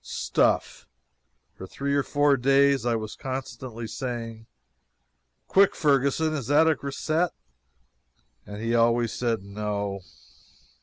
Stuff! For three or four days I was constantly saying: "Quick, Ferguson! Is that a grisette?" And he always said, "No."